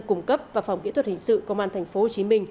cung cấp và phòng kỹ thuật hình sự công an tp hcm